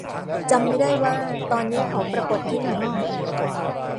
จำไม่ได้ว่าตอนนี้เขาปรากฏที่ไหน